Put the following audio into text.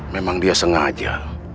memang dia sengaja